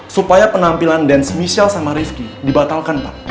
supaya penampilan dance michelle sama rifki dibatalkan pak